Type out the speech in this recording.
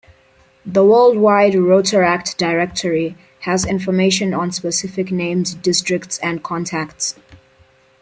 The Worldwide Rotaract Directory has information on specific names, districts, and contacts.